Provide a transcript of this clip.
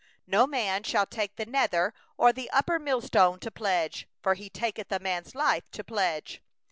6No man shall take the mill or the upper millstone to pledge; for he taketh a man's life to pledge.